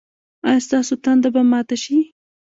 ایا ستاسو تنده به ماته شي؟